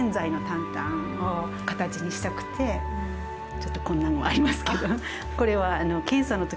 ちょっとこんなのもありますけど。